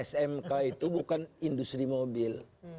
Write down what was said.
smk itu bukan industri mobil